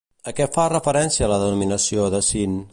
A què fa referència la denominació de Syn?